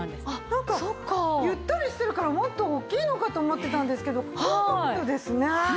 なんかゆったりしてるからもっと大きいのかと思ってたんですけどコンパクトですね。